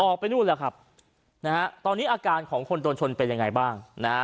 ออกไปนู่นแล้วครับนะฮะตอนนี้อาการของคนโดนชนเป็นยังไงบ้างนะฮะ